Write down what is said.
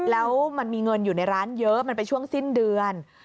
แล้วมันมีเงินอยู่ในร้านเยอะมันเป็นช่วงสิ้นเดือน